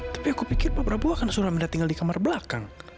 tapi aku pikir pak prabu akan suruh amira tinggal di kamar belakang